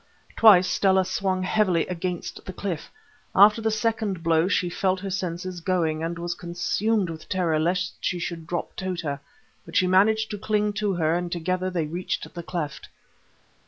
Twice Stella swung heavily against the cliff. After the second blow she felt her senses going, and was consumed with terror lest she should drop Tota. But she managed to cling to her, and together they reached the cleft.